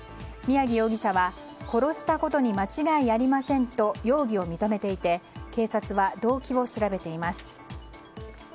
宮城容疑者は殺したことに間違いありませんと容疑を認めていて警察は動機を調べています。